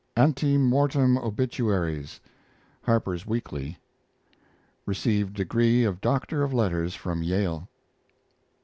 ANTE MORTEM OBITUARIES Harper's Weekly. Received degree of Doctor of Letters from Yale.